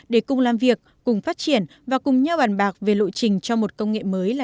để cùng làm việc cùng phát triển và cùng nhau bàn bạc về lộ trình cho một công nghệ mới là